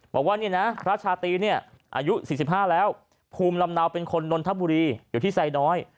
บอกว่าราชาตินี่อายุ๔๕แล้วภูมิลำนาวเป็นคนนทบุรีอยู่ที่ไซน์น้อย